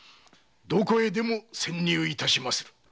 どこへでも潜入いたしまする。